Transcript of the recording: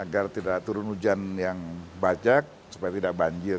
agar tidak turun hujan yang bajak supaya tidak banjir